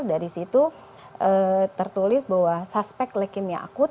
dari situ tertulis bahwa suspek leukemia akut